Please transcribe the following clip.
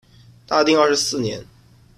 大定二十四年。